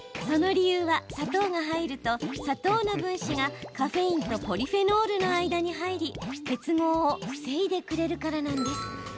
その理由は砂糖が入ると砂糖の分子がカフェインとポリフェノールの間に入り結合を防いでくれるからなんです。